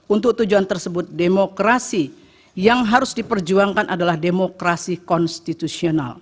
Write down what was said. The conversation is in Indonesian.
untuk tujuan tersebut demokrasi yang harus diperjuangkan adalah demokrasi konstitusional